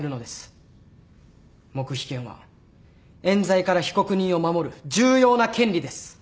黙秘権は冤罪から被告人を守る重要な権利です。